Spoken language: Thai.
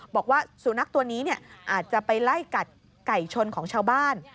บอกว่าสุนัขตัวนี้อาจจะไปไล่กัดไก่ชนของชาวบ้าน